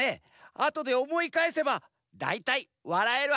あとでおもいかえせばだいたいわらえる